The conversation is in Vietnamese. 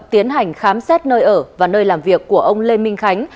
tiến hành khám xét nơi ở và nơi làm việc của ông lê minh khánh